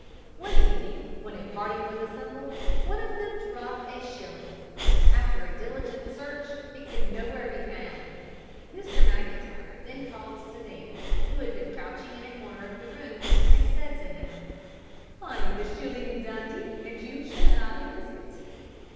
One evening, when a party was assembled, one of them dropped a shilling. After a diligent search, it could nowhere be found. Mr McIntyre then called to Dandie, who had been crouching in a corner of the room, and said to him, "Find the shilling, Dandie, and you shall have a biscuit."